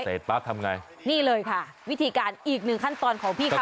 ปั๊บทำไงนี่เลยค่ะวิธีการอีกหนึ่งขั้นตอนของพี่เขา